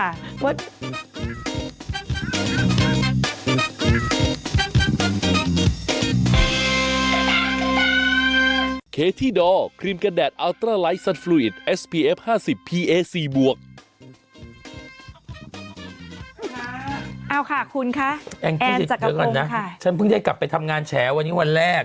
เอาค่ะคุณคะแอนจากกระโปรงค่ะฉันเพิ่งได้กลับไปทำงานแชร์วันนี้วันแรก